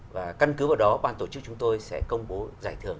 và căn cứ vào đó ban tổ chức chúng tôi sẽ công bố giải thưởng